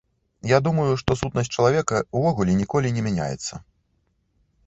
Я думаю, што сутнасць чалавека ўвогуле ніколі не мяняецца.